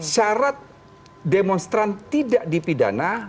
syarat demonstran tidak dipidana